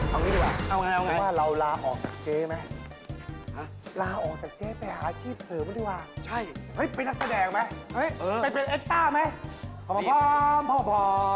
เอาอย่างนี้ดีกว่าว่าเราลาออกกับเจ๊ไหมลาออกกับเจ๊ไปหาอาชีพเสริมดีกว่าเป็นนักแสดงไหมเป็นเอ็ตต้าไหม